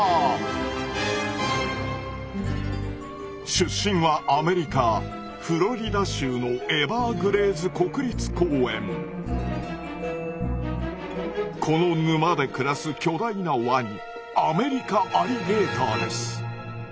出身はアメリカ・フロリダ州のこの沼で暮らす巨大なワニアメリカアリゲーターです！